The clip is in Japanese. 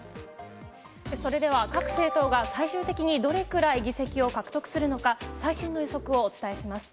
それでは各政党が最終的にどれくらい議席を獲得するのか、最新の予測をお伝えします。